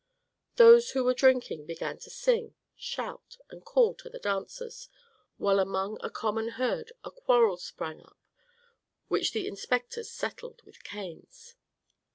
Those who were drinking began to sing, shout, and call to the dancers, while among the common herd a quarrel sprang up which the inspectors settled with canes.